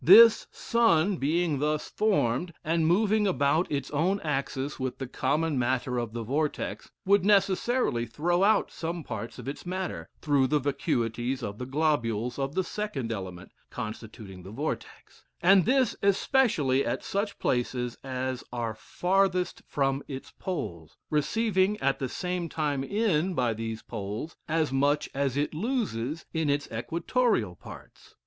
This sun being thus formed, and moving about its own axis with the common matter of the vortex, would necessarily throw out some parts of its matter, through the vacuities of the globules of the second element constituting the vortex; and this especially at such places as are farthest from its poles: receiving, at the same time in, by these poles, as much as it loses in its equatorial parts.